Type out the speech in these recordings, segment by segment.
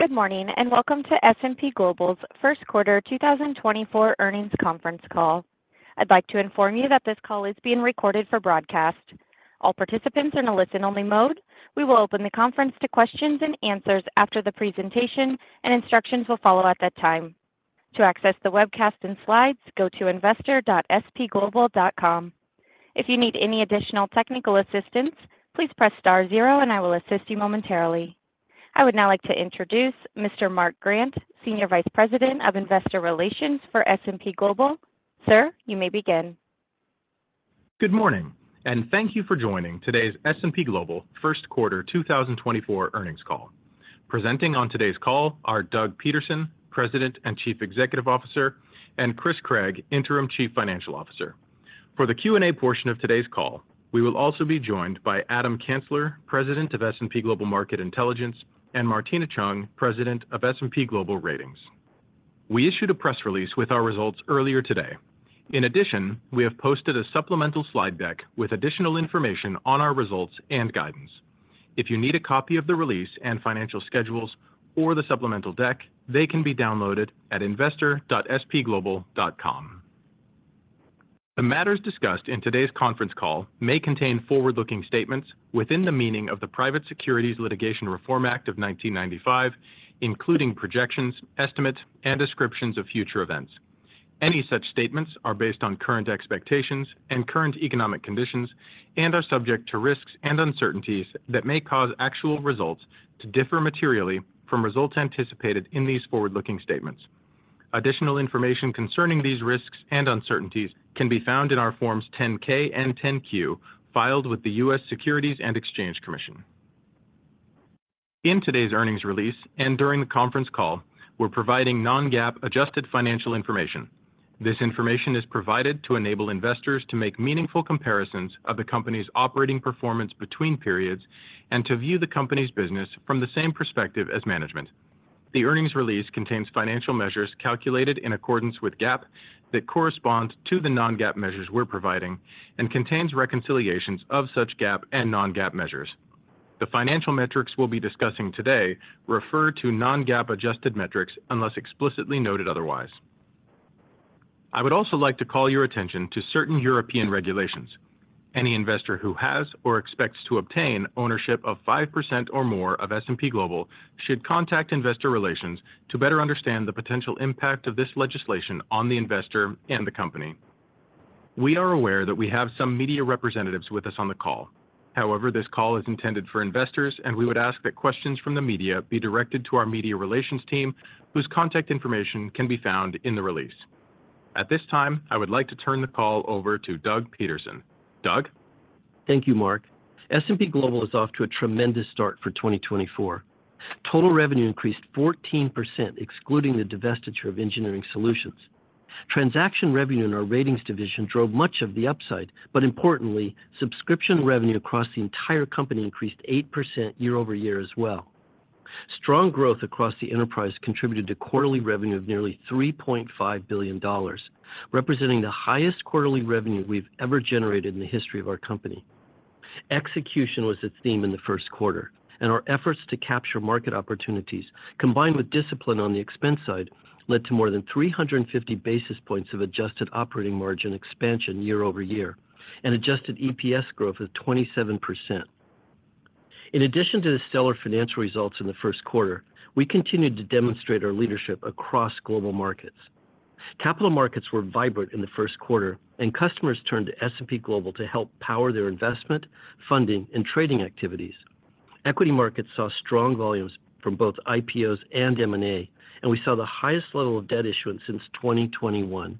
Good morning, and welcome to S&P Global's First Quarter 2024 Earnings conference call. I'd like to inform you that this call is being recorded for broadcast. All participants are in a listen-only mode. We will open the conference to questions and answers after the presentation, and instructions will follow at that time. To access the webcast and slides, go to investor.spglobal.com. If you need any additional technical assistance, please press star zero and I will assist you momentarily. I would now like to introduce Mr. Mark Grant, Senior Vice President of Investor Relations for S&P Global. Sir, you may begin. Good morning, and thank you for joining today's S&P Global first quarter 2024 earnings call. Presenting on today's call are Doug Peterson, President and Chief Executive Officer, and Chris Craig, Interim Chief Financial Officer. For the Q&A portion of today's call, we will also be joined by Adam Kansler, President of S&P Global Market Intelligence, and Martina Cheung, President of S&P Global Ratings. We issued a press release with our results earlier today. In addition, we have posted a supplemental slide deck with additional information on our results and guidance. If you need a copy of the release and financial schedules or the supplemental deck, they can be downloaded at investor.spglobal.com. The matters discussed in today's conference call may contain forward-looking statements within the meaning of the Private Securities Litigation Reform Act of 1995, including projections, estimates, and descriptions of future events. Any such statements are based on current expectations and current economic conditions and are subject to risks and uncertainties that may cause actual results to differ materially from results anticipated in these forward-looking statements. Additional information concerning these risks and uncertainties can be found in our Forms 10-K and 10-Q filed with the U.S. Securities and Exchange Commission. In today's earnings release and during the conference call, we're providing non-GAAP adjusted financial information. This information is provided to enable investors to make meaningful comparisons of the company's operating performance between periods and to view the company's business from the same perspective as management. The earnings release contains financial measures calculated in accordance with GAAP that correspond to the non-GAAP measures we're providing and contains reconciliations of such GAAP and non-GAAP measures. The financial metrics we'll be discussing today refer to non-GAAP adjusted metrics unless explicitly noted otherwise. I would also like to call your attention to certain European regulations. Any investor who has or expects to obtain ownership of 5% or more of S&P Global should contact Investor Relations to better understand the potential impact of this legislation on the investor and the company. We are aware that we have some media representatives with us on the call. However, this call is intended for investors, and we would ask that questions from the media be directed to our Media Relations team, whose contact information can be found in the release. At this time, I would like to turn the call over to Doug Peterson. Doug? Thank you, Mark. S&P Global is off to a tremendous start for 2024. Total revenue increased 14%, excluding the divestiture of Engineering Solutions. Transaction revenue in our Ratings division drove much of the upside, but importantly, subscription revenue across the entire company increased 8% year over year as well. Strong growth across the enterprise contributed to quarterly revenue of nearly $3.5 billion, representing the highest quarterly revenue we've ever generated in the history of our company. Execution was its theme in the first quarter, and our efforts to capture market opportunities, combined with discipline on the expense side, led to more than 350 basis points of adjusted operating margin expansion year over year and adjusted EPS growth of 27%. In addition to the stellar financial results in the first quarter, we continued to demonstrate our leadership across global markets. Capital markets were vibrant in the first quarter, and customers turned to S&P Global to help power their investment, funding, and trading activities. Equity markets saw strong volumes from both IPOs and M&A, and we saw the highest level of debt issuance since 2021.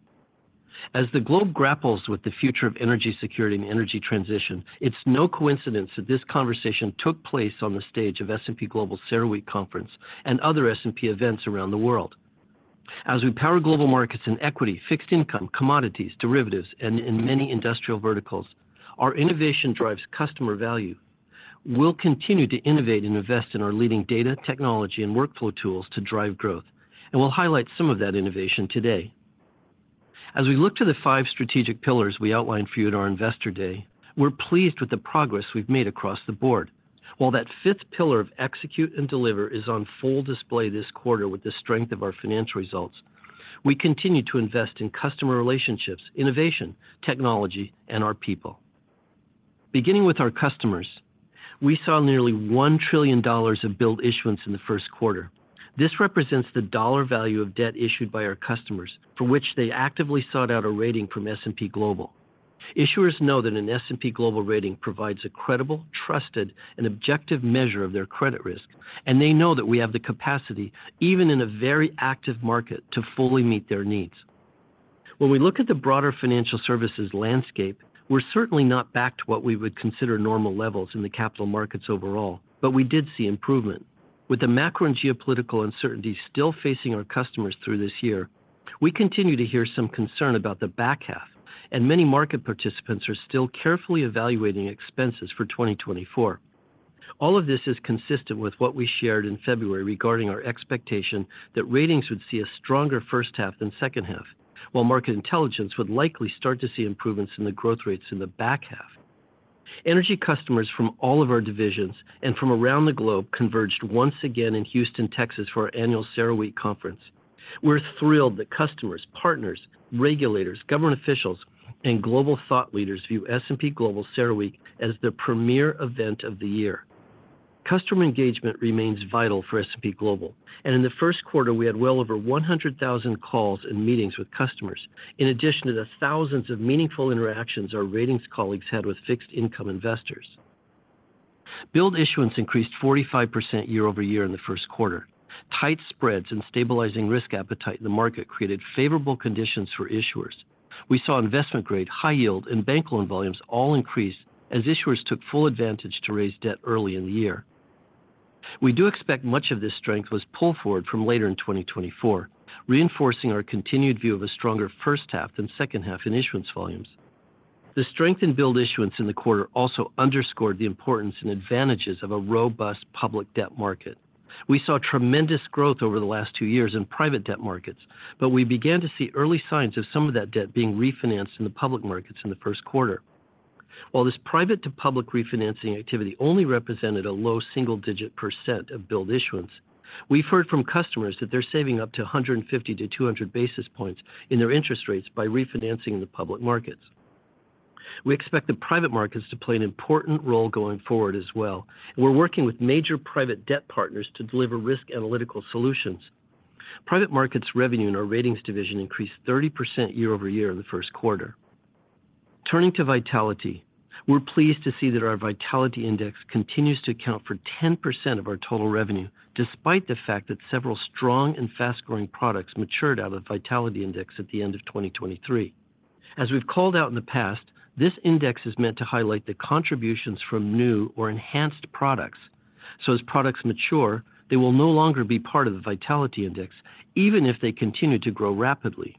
As the globe grapples with the future of energy security and energy transition, it's no coincidence that this conversation took place on the stage of S&P Global CERAWeek Conference and other S&P events around the world. As we power global markets in equity, fixed income, commodities, derivatives, and in many industrial verticals, our innovation drives customer value. We'll continue to innovate and invest in our leading data, technology, and workflow tools to drive growth, and we'll highlight some of that innovation today. As we look to the five strategic pillars we outlined for you at our Investor Day, we're pleased with the progress we've made across the board. While that fifth pillar of execute and deliver is on full display this quarter with the strength of our financial results, we continue to invest in customer relationships, innovation, technology, and our people. Beginning with our customers, we saw nearly $1 trillion of billed issuance in the first quarter. This represents the dollar value of debt issued by our customers, for which they actively sought out a rating from S&P Global. Issuers know that an S&P Global rating provides a credible, trusted, and objective measure of their credit risk, and they know that we have the capacity, even in a very active market, to fully meet their needs. When we look at the broader financial services landscape, we're certainly not back to what we would consider normal levels in the capital markets overall, but we did see improvement. With the macro and geopolitical uncertainty still facing our customers through this year, we continue to hear some concern about the back half, and many market participants are still carefully evaluating expenses for 2024. All of this is consistent with what we shared in February regarding our expectation that Ratings would see a stronger first half than second half, while Market Intelligence would likely start to see improvements in the growth rates in the back half. Energy customers from all of our divisions and from around the globe converged once again in Houston, Texas, for our annual CERAWeek conference. We're thrilled that customers, partners, regulators, government officials, and global thought leaders view S&P Global CERAWeek as the premier event of the year. Customer engagement remains vital for S&P Global, and in the first quarter, we had well over 100,000 calls and meetings with customers, in addition to the thousands of meaningful interactions our Ratings colleagues had with fixed income investors. Billed issuance increased 45% year-over-year in the first quarter. Tight spreads and stabilizing risk appetite in the market created favorable conditions for issuers. We saw investment-grade, high yield, and bank loan volumes all increase as issuers took full advantage to raise debt early in the year. We do expect much of this strength was pull forward from later in 2024, reinforcing our continued view of a stronger first half than second half in issuance volumes. The strength in billed issuance in the quarter also underscored the importance and advantages of a robust public debt market. We saw tremendous growth over the last two years in private debt markets, but we began to see early signs of some of that debt being refinanced in the public markets in the first quarter. While this private-to-public refinancing activity only represented a low single-digit % of billed issuance, we've heard from customers that they're saving up to 150-200 basis points in their interest rates by refinancing in the public markets. We expect the private markets to play an important role going forward as well. We're working with major private debt partners to deliver risk analytical solutions. Private markets revenue in our Ratings division increased 30% year-over-year in the first quarter. Turning to Vitality, we're pleased to see that our Vitality Index continues to account for 10% of our total revenue, despite the fact that several strong and fast-growing products matured out of the Vitality Index at the end of 2023. As we've called out in the past, this index is meant to highlight the contributions from new or enhanced products. So as products mature, they will no longer be part of the Vitality Index, even if they continue to grow rapidly.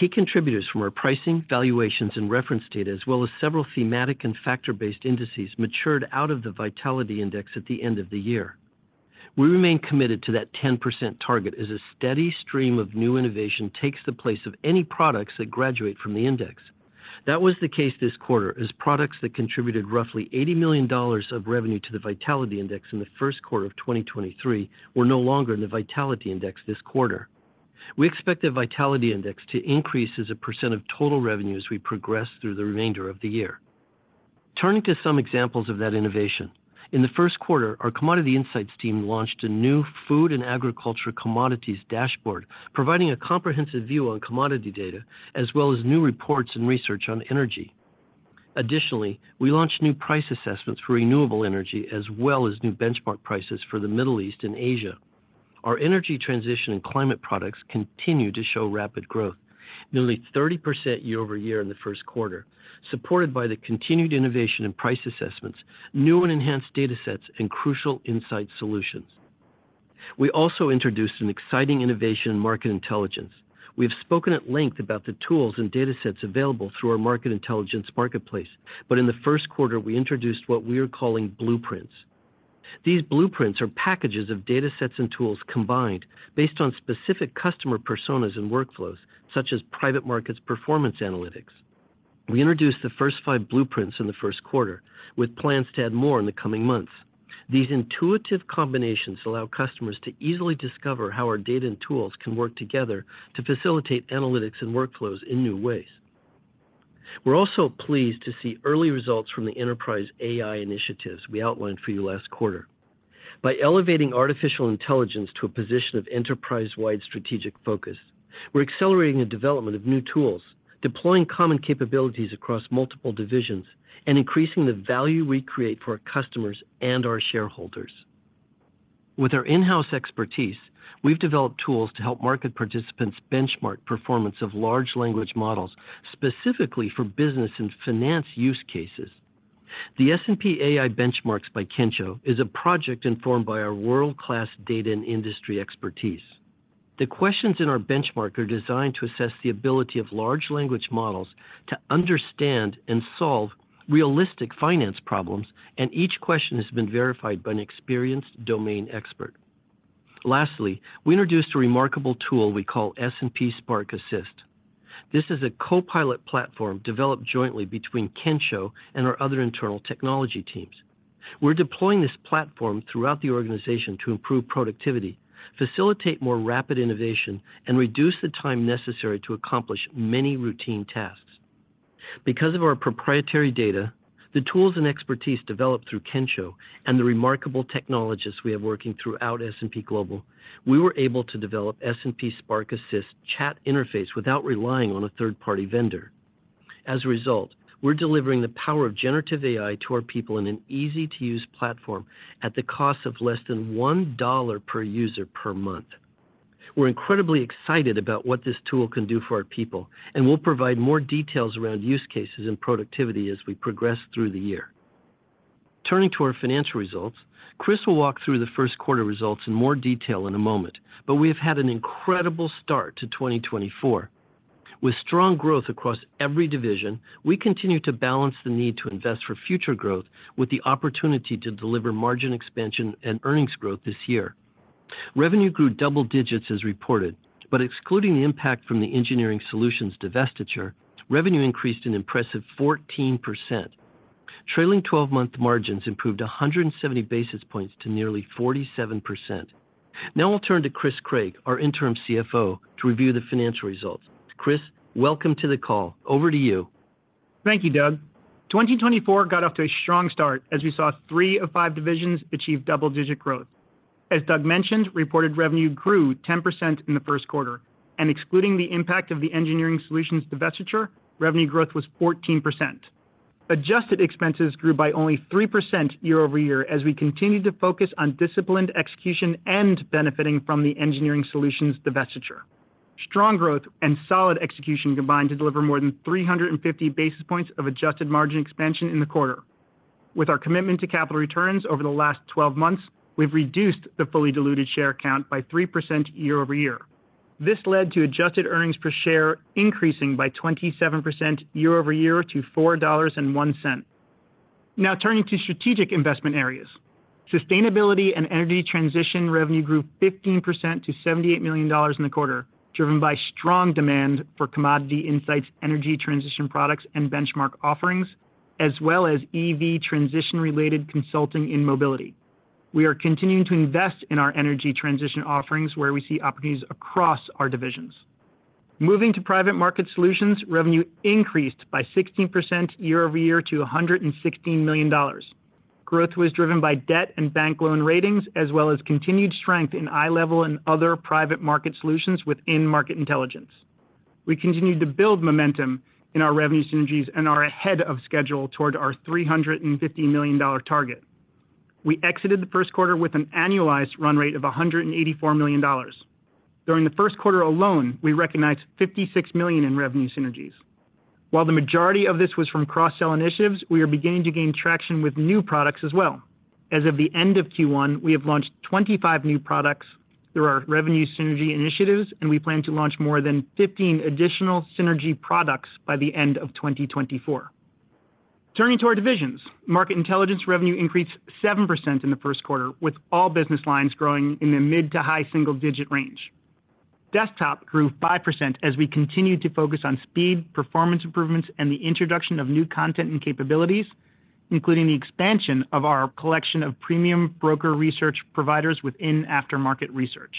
Key contributors from our pricing, valuations, and reference data, as well as several thematic and factor-based Indices, matured out of the Vitality Index at the end of the year. We remain committed to that 10% target as a steady stream of new innovation takes the place of any products that graduate from the index. That was the case this quarter, as products that contributed roughly $80 million of revenue to the Vitality Index in the first quarter of 2023 were no longer in the Vitality Index this quarter. We expect the Vitality Index to increase as a % of total revenue as we progress through the remainder of the year. Turning to some examples of that innovation, in the first quarter, our Commodity Insights team launched a new food and agriculture commodities dashboard, providing a comprehensive view on commodity data, as well as new reports and research on energy. Additionally, we launched new price assessments for renewable energy, as well as new benchmark prices for the Middle East and Asia. Our energy transition and climate products continue to show rapid growth, nearly 30% year over year in the first quarter, supported by the continued innovation in price assessments, new and enhanced data sets, and crucial insight solutions. We also introduced an exciting innovation in Market Intelligence. We have spoken at length about the tools and data sets available through our Market Intelligence Marketplace, but in the first quarter, we introduced what we are calling Blueprints. These Blueprints are packages of data sets and tools combined based on specific customer personas and workflows, such as private markets performance analytics. We introduced the first 5 Blueprints in the first quarter, with plans to add more in the coming months. These intuitive combinations allow customers to easily discover how our data and tools can work together to facilitate analytics and workflows in new ways. We're also pleased to see early results from the enterprise AI initiatives we outlined for you last quarter. By elevating artificial intelligence to a position of enterprise-wide strategic focus, we're accelerating the development of new tools, deploying common capabilities across multiple divisions, and increasing the value we create for our customers and our shareholders. With our in-house expertise, we've developed tools to help market participants benchmark performance of large language models, specifically for business and finance use cases. The S&P AI Benchmarks by Kensho is a project informed by our world-class data and industry expertise. The questions in our benchmark are designed to assess the ability of large language models to understand and solve realistic finance problems, and each question has been verified by an experienced domain expert. Lastly, we introduced a remarkable tool we call S&P Spark Assist. This is a copilot platform developed jointly between Kensho and our other internal technology teams. We're deploying this platform throughout the organization to improve productivity, facilitate more rapid innovation, and reduce the time necessary to accomplish many routine tasks. Because of our proprietary data, the tools and expertise developed through Kensho, and the remarkable technologists we have working throughout S&P Global, we were able to develop S&P Spark Assist chat interface without relying on a third-party vendor. As a result, we're delivering the power of generative AI to our people in an easy-to-use platform at the cost of less than $1 per user per month. We're incredibly excited about what this tool can do for our people, and we'll provide more details around use cases and productivity as we progress through the year. Turning to our financial results, Chris will walk through the first quarter results in more detail in a moment, but we have had an incredible start to 2024. With strong growth across every division, we continue to balance the need to invest for future growth with the opportunity to deliver margin expansion and earnings growth this year. Revenue grew double digits as reported, but excluding the impact from the Engineering Solutions divestiture, revenue increased an impressive 14%. Trailing twelve-month margins improved 170 basis points to nearly 47%. Now we'll turn to Chris Craig, our interim CFO, to review the financial results. Chris, welcome to the call. Over to you. Thank you, Doug. 2024 got off to a strong start as we saw 3 of 5 divisions achieve double-digit growth. As Doug mentioned, reported revenue grew 10% in the first quarter, and excluding the impact of the Engineering Solutions divestiture, revenue growth was 14%. Adjusted expenses grew by only 3% year-over-year, as we continued to focus on disciplined execution and benefiting from the Engineering Solutions divestiture. Strong growth and solid execution combined to deliver more than 350 basis points of adjusted margin expansion in the quarter. With our commitment to capital returns over the last 12 months, we've reduced the fully diluted share count by 3% year-over-year. This led to adjusted earnings per share, increasing by 27% year-over-year to $4.01. Now turning to strategic investment areas. Sustainability and energy transition revenue grew 15% to $78 million in the quarter, driven by strong demand for commodity insights, energy transition products, and benchmark offerings, as well as EV transition-related consulting in Mobility. We are continuing to invest in our energy transition offerings, where we see opportunities across our divisions. Moving to private market solutions, revenue increased by 16% year-over-year to $116 million. Growth was driven by debt and bank loan Ratings, as well as continued strength in iLEVEL and other private market solutions within Market Intelligence. We continued to build momentum in our revenue synergies and are ahead of schedule toward our $350 million target. We exited the first quarter with an annualized run rate of $184 million. During the first quarter alone, we recognized $56 million in revenue synergies. While the majority of this was from cross-sell initiatives, we are beginning to gain traction with new products as well. As of the end of Q1, we have launched 25 new products through our revenue synergy initiatives, and we plan to launch more than 15 additional synergy products by the end of 2024. Turning to our divisions, Market Intelligence revenue increased 7% in the first quarter, with all business lines growing in the mid to high single-digit range. Desktop grew 5% as we continued to focus on speed, performance improvements, and the introduction of new content and capabilities, including the expansion of our collection of premium broker research providers within after-market research.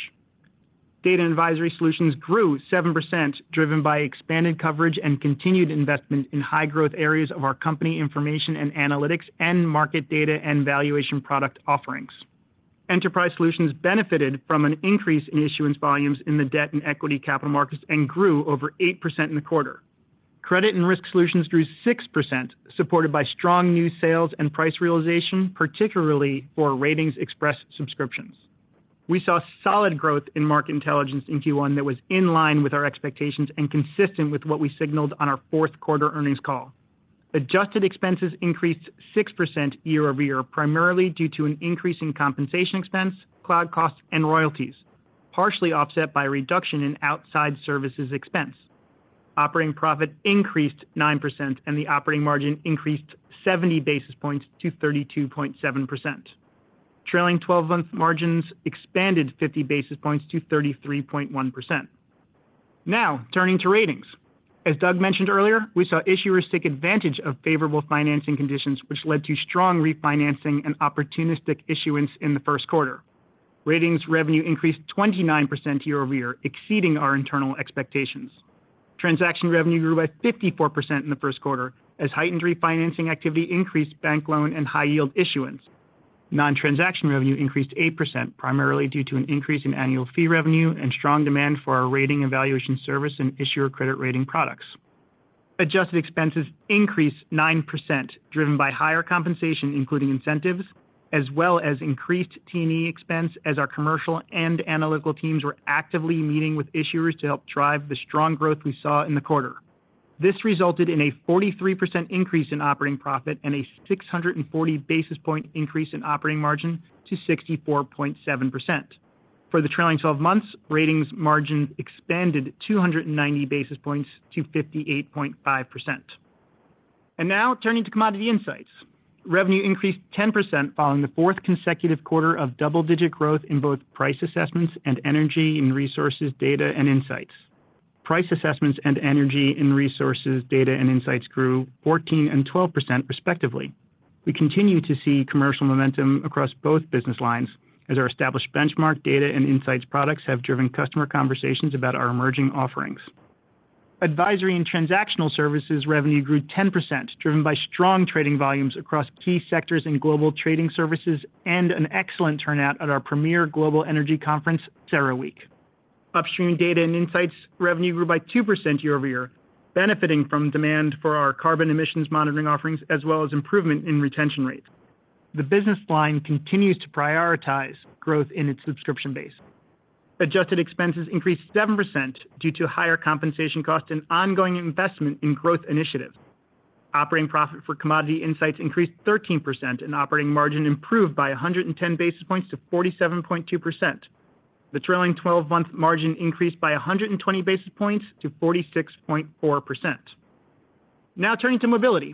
Data and advisory solutions grew 7%, driven by expanded coverage and continued investment in high-growth areas of our company information and analytics and market data and valuation product offerings. Enterprise Solutions benefited from an increase in issuance volumes in the debt and equity capital markets and grew over 8% in the quarter. Credit and risk solutions grew 6%, supported by strong new sales and price realization, particularly for RatingsXpress subscriptions. We saw solid growth in Market Intelligence in Q1 that was in line with our expectations and consistent with what we signaled on our fourth quarter earnings call. Adjusted expenses increased 6% year-over-year, primarily due to an increase in compensation expense, cloud costs, and royalties, partially offset by a reduction in outside services expense. Operating profit increased 9%, and the operating margin increased 70 basis points to 32.7%. Trailing twelve-month margins expanded 50 basis points to 33.1%. Now, turning to Ratings. As Doug mentioned earlier, we saw issuers take advantage of favorable financing conditions, which led to strong refinancing and opportunistic issuance in the first quarter. Ratings revenue increased 29% year over year, exceeding our internal expectations. Transaction revenue grew by 54% in the first quarter, as heightened refinancing activity increased bank loan and high yield issuance. Nontransaction revenue increased 8%, primarily due to an increase in annual fee revenue and strong demand for our rating, evaluation service, and issuer credit rating products. Adjusted expenses increased 9%, driven by higher compensation, including incentives, as well as increased T&E expense, as our commercial and analytical teams were actively meeting with issuers to help drive the strong growth we saw in the quarter. This resulted in a 43% increase in operating profit and a 640 basis points increase in operating margin to 64.7%. For the trailing twelve months, Ratings margins expanded 290 basis points to 58.5%. Now turning to Commodity Insights. Revenue increased 10% following the fourth consecutive quarter of double-digit growth in both price assessments and energy and resources, data and insights. Price assessments and energy and resources, data and insights grew 14% and 12% respectively. We continue to see commercial momentum across both business lines as our established benchmark data and insights products have driven customer conversations about our emerging offerings. Advisory and transactional services revenue grew 10%, driven by strong trading volumes across key sectors in global trading services and an excellent turnout at our Premier Global Energy Conference, CERAWeek. Upstream data and insights revenue grew by 2% year-over-year, benefiting from demand for our carbon emissions monitoring offerings, as well as improvement in retention rates. The business line continues to prioritize growth in its subscription base. Adjusted expenses increased 7% due to higher compensation costs and ongoing investment in growth initiatives. Operating profit for commodity insights increased 13%, and operating margin improved by 110 basis points to 47.2%. The trailing twelve-month margin increased by 120 basis points to 46.4%.... Now turning to Mobility.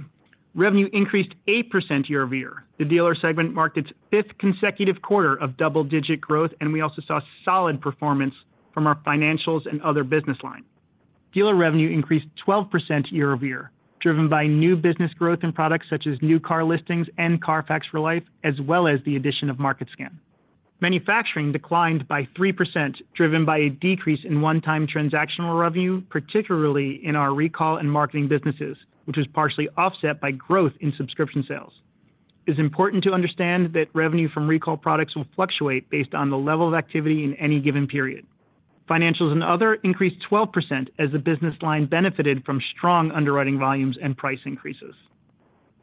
Revenue increased 8% year-over-year. The dealer segment marked its fifth consecutive quarter of double-digit growth, and we also saw solid performance from our financials and other business lines. Dealer revenue increased 12% year-over-year, driven by new business growth in products such as new car listings and CARFAX for Life, as well as the addition of Market Scan. Manufacturing declined by 3%, driven by a decrease in one-time transactional revenue, particularly in our recall and marketing businesses, which was partially offset by growth in subscription sales. It's important to understand that revenue from recall products will fluctuate based on the level of activity in any given period. Financials and other increased 12% as the business line benefited from strong underwriting volumes and price increases.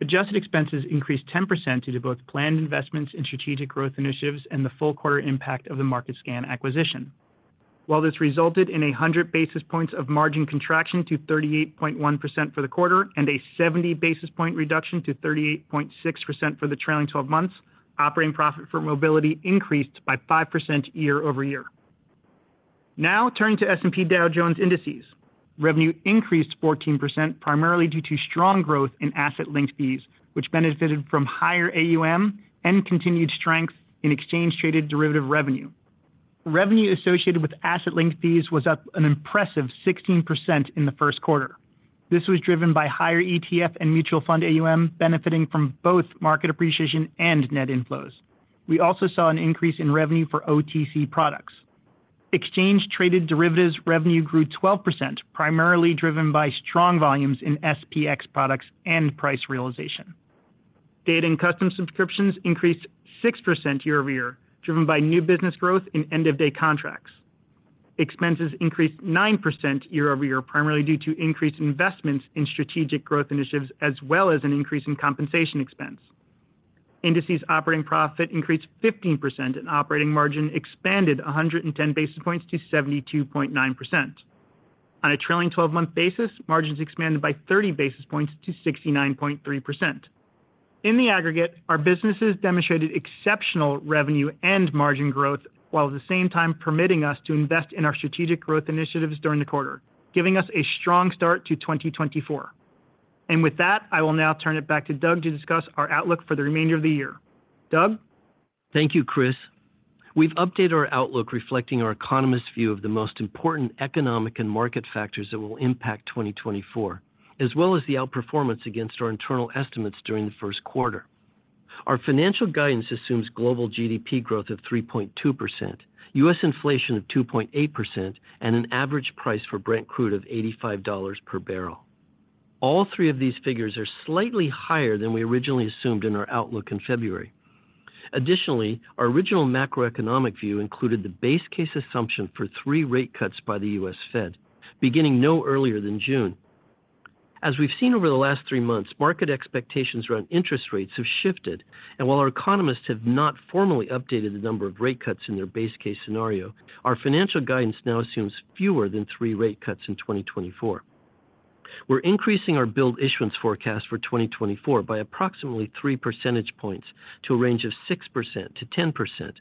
Adjusted expenses increased 10% due to both planned investments in strategic growth initiatives and the full quarter impact of the Market Scan acquisition. While this resulted in 100 basis points of margin contraction to 38.1% for the quarter and a 70 basis point reduction to 38.6% for the trailing twelve months, operating profit for Mobility increased by 5% year-over-year. Now turning to S&P Dow Jones Indices. Revenue increased 14%, primarily due to strong growth in asset-linked fees, which benefited from higher AUM and continued strength in exchange-traded derivative revenue. Revenue associated with asset-linked fees was up an impressive 16% in the first quarter. This was driven by higher ETF and mutual fund AUM, benefiting from both market appreciation and net inflows. We also saw an increase in revenue for OTC products. Exchange-traded derivatives revenue grew 12%, primarily driven by strong volumes in SPX products and price realization. Data and custom subscriptions increased 6% year-over-year, driven by new business growth in end-of-day contracts. Expenses increased 9% year-over-year, primarily due to increased investments in strategic growth initiatives, as well as an increase in compensation expense. Indices operating profit increased 15%, and operating margin expanded 110 basis points to 72.9%. On a trailing 12-month basis, margins expanded by 30 basis points to 69.3%. In the aggregate, our businesses demonstrated exceptional revenue and margin growth, while at the same time permitting us to invest in our strategic growth initiatives during the quarter, giving us a strong start to 2024. And with that, I will now turn it back to Doug to discuss our outlook for the remainder of the year. Doug? Thank you, Chris. We've updated our outlook, reflecting our economists' view of the most important economic and market factors that will impact 2024, as well as the outperformance against our internal estimates during the first quarter. Our financial guidance assumes global GDP growth of 3.2%, U.S. inflation of 2.8%, and an average price for Brent Crude of $85 per barrel. All three of these figures are slightly higher than we originally assumed in our outlook in February. Additionally, our original macroeconomic view included the base case assumption for three rate cuts by the U.S. Fed, beginning no earlier than June. As we've seen over the last three months, market expectations around interest rates have shifted, and while our economists have not formally updated the number of rate cuts in their base case scenario, our financial guidance now assumes fewer than three rate cuts in 2024. We're increasing our billed issuance forecast for 2024 by approximately three percentage points to a range of 6%-10%.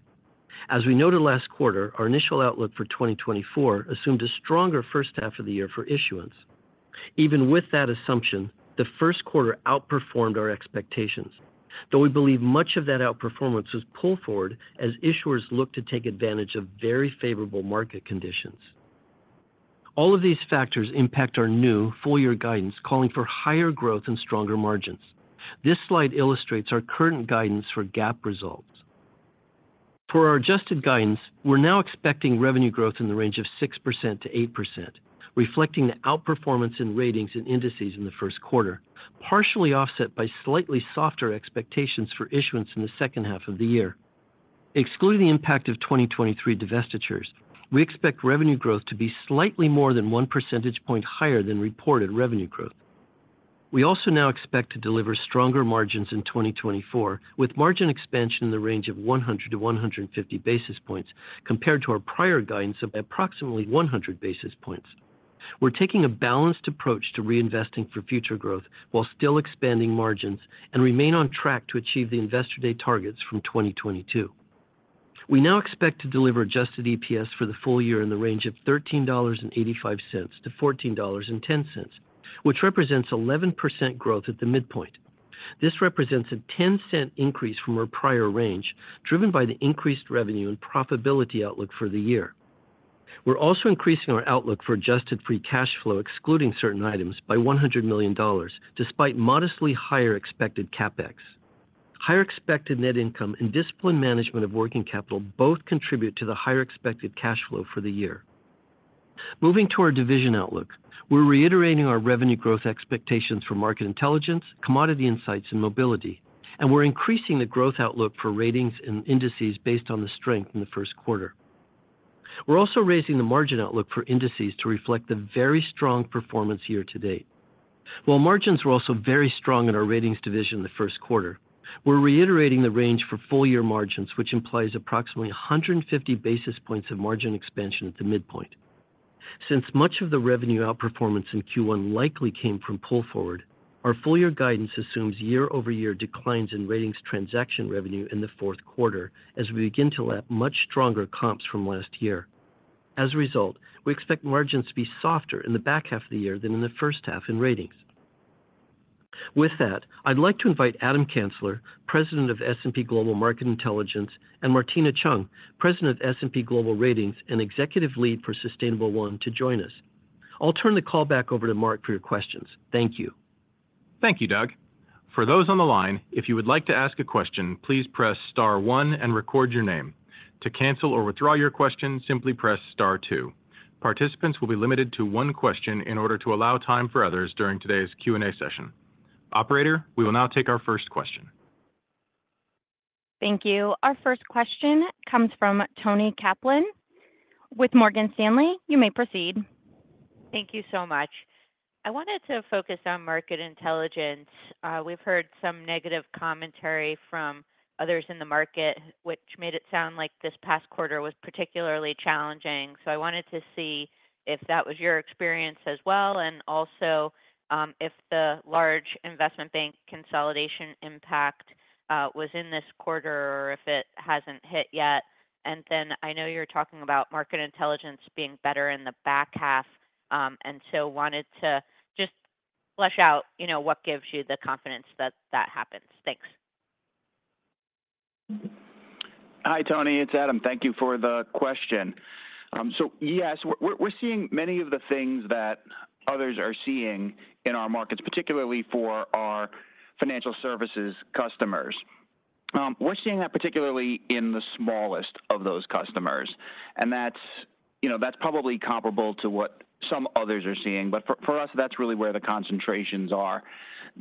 As we noted last quarter, our initial outlook for 2024 assumed a stronger first half of the year for issuance. Even with that assumption, the first quarter outperformed our expectations, though we believe much of that outperformance was pull forward as issuers looked to take advantage of very favorable market conditions. All of these factors impact our new full-year guidance, calling for higher growth and stronger margins. This slide illustrates our current guidance for GAAP results. For our adjusted guidance, we're now expecting revenue growth in the range of 6%-8%, reflecting the outperformance in Ratings and Indices in the first quarter, partially offset by slightly softer expectations for issuance in the second half of the year. Excluding the impact of 2023 divestitures, we expect revenue growth to be slightly more than one percentage point higher than reported revenue growth. We also now expect to deliver stronger margins in 2024, with margin expansion in the range of 100-150 basis points, compared to our prior guidance of approximately 100 basis points. We're taking a balanced approach to reinvesting for future growth while still expanding margins and remain on track to achieve the Investor Day targets from 2022. We now expect to deliver adjusted EPS for the full year in the range of $13.85-$14.10, which represents 11% growth at the midpoint. This represents a 10-cent increase from our prior range, driven by the increased revenue and profitability outlook for the year. We're also increasing our outlook for adjusted free cash flow, excluding certain items, by $100 million, despite modestly higher expected CapEx. Higher expected net income and disciplined management of working capital both contribute to the higher expected cash flow for the year. Moving to our division outlook. We're reiterating our revenue growth expectations for Market Intelligence, Commodity Insights, and Mobility, and we're increasing the growth outlook for Ratings and Indices based on the strength in the first quarter. We're also raising the margin outlook for Indices to reflect the very strong performance year to date. While margins were also very strong in our Ratings division in the first quarter, we're reiterating the range for full-year margins, which implies approximately 150 basis points of margin expansion at the midpoint. Since much of the revenue outperformance in Q1 likely came from pull forward, our full-year guidance assumes year-over-year declines in Ratings transaction revenue in the fourth quarter as we begin to lap much stronger comps from last year.... As a result, we expect margins to be softer in the back half of the year than in the first half in Ratings. With that, I'd like to invite Adam Kansler, President of S&P Global Market Intelligence, and Martina Cheung, President of S&P Global Ratings and Executive Lead for Sustainable1, to join us. I'll turn the call back over to Mark for your questions. Thank you. Thank you, Doug. For those on the line, if you would like to ask a question, please press star one and record your name. To cancel or withdraw your question, simply press star two. Participants will be limited to one question in order to allow time for others during today's Q&A session. Operator, we will now take our first question. Thank you. Our first question comes from Toni Kaplan with Morgan Stanley. You may proceed. Thank you so much. I wanted to focus on Market Intelligence. We've heard some negative commentary from others in the market, which made it sound like this past quarter was particularly challenging. I wanted to see if that was your experience as well, and also, if the large investment bank consolidation impact was in this quarter, or if it hasn't hit yet. Then, I know you're talking about Market Intelligence being better in the back half, and so wanted to just flesh out, you know, what gives you the confidence that that happens? Thanks. Hi, Toni. It's Adam. Thank you for the question. So yes, we're seeing many of the things that others are seeing in our markets, particularly for our financial services customers. We're seeing that particularly in the smallest of those customers, and that's, you know, that's probably comparable to what some others are seeing. But for us, that's really where the concentrations are.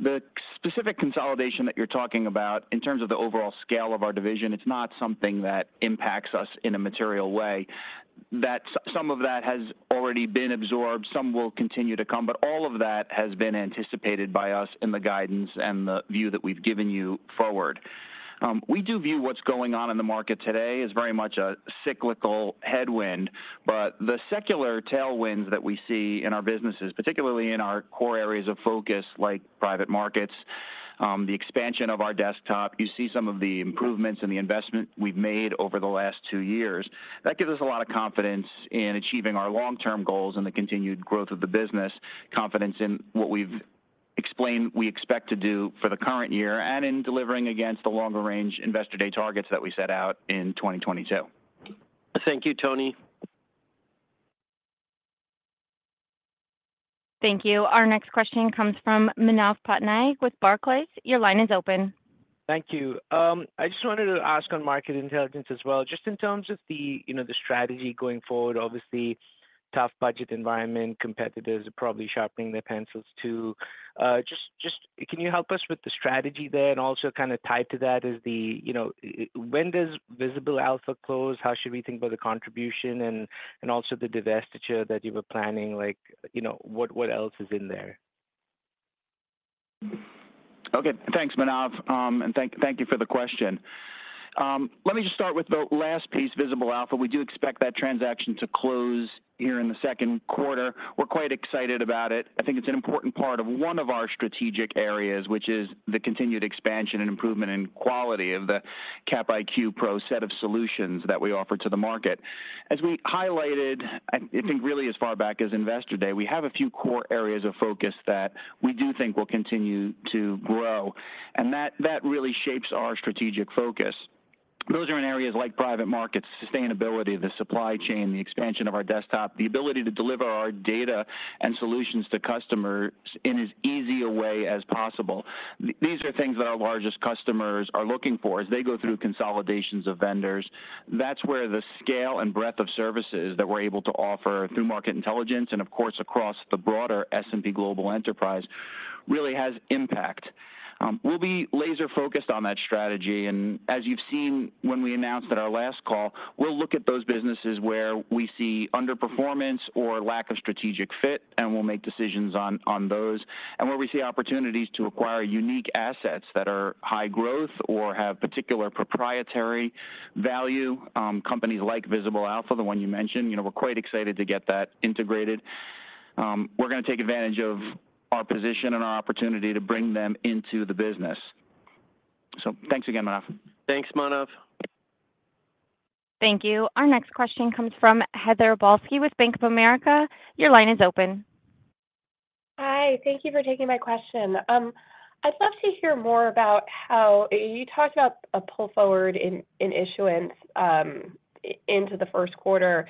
The specific consolidation that you're talking about in terms of the overall scale of our division, it's not something that impacts us in a material way. That. Some of that has already been absorbed, some will continue to come, but all of that has been anticipated by us in the guidance and the view that we've given you forward. We do view what's going on in the market today as very much a cyclical headwind, but the secular tailwinds that we see in our businesses, particularly in our core areas of focus, like private markets, the expansion of our desktop, you see some of the improvements and the investment we've made over the last two years. That gives us a lot of confidence in achieving our long-term goals and the continued growth of the business, confidence in what we've explained we expect to do for the current year, and in delivering against the longer range Investor Day targets that we set out in 2022. Thank you, Toni. Thank you. Our next question comes from Manav Patnaik with Barclays. Your line is open. Thank you. I just wanted to ask on Market Intelligence as well, just in terms of the, you know, the strategy going forward. Obviously, tough budget environment, competitors are probably sharpening their pencils, too. Just, just can you help us with the strategy there? And also kind of tied to that is the, you know, when does Visible Alpha close? How should we think about the contribution and, and also the divestiture that you were planning? Like, you know, what, what else is in there? Okay. Thanks, Manav, and thank you for the question. Let me just start with the last piece, Visible Alpha. We do expect that transaction to close here in the second quarter. We're quite excited about it. I think it's an important part of one of our strategic areas, which is the continued expansion and improvement in quality of the Cap IQ Pro set of solutions that we offer to the market. As we highlighted, I think, really as far back as Investor Day, we have a few core areas of focus that we do think will continue to grow, and that really shapes our strategic focus. Those are in areas like private markets, sustainability, the supply chain, the expansion of our desktop, the ability to deliver our data and solutions to customers in as easy a way as possible. These are things that our largest customers are looking for as they go through consolidations of vendors. That's where the scale and breadth of services that we're able to offer through Market Intelligence, and of course, across the broader S&P Global enterprise, really has impact. We'll be laser focused on that strategy, and as you've seen when we announced at our last call, we'll look at those businesses where we see underperformance or lack of strategic fit, and we'll make decisions on those. And where we see opportunities to acquire unique assets that are high growth or have particular proprietary value, companies like Visible Alpha, the one you mentioned, you know, we're quite excited to get that integrated. We're going to take advantage of our position and our opportunity to bring them into the business. So thanks again, Manav. Thanks, Manav. Thank you. Our next question comes from Heather Balsky with Bank of America. Your line is open. Hi, thank you for taking my question. I'd love to hear more about how you talked about a pull forward in issuance into the first quarter.